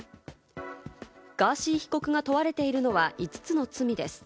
ガーシー被告が問われているのは５つの罪です。